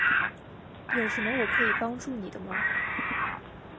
有什么我可以帮助你的吗？